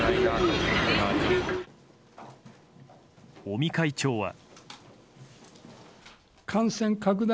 尾身会長は。